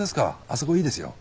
あそこいいですよ。